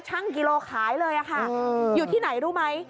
กิโลขายเลยค่ะอยู่ที่ไหนรู้ไหม